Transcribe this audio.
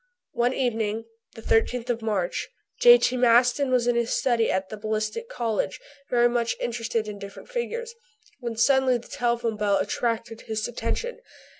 One evening, the 13th of March, J.T. Maston was in his study at the Ballistic Cottage, very much interested in different figures, when suddenly the telephone bell attracted his attention.